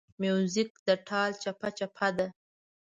موزیک د ټال چپهچپه ده.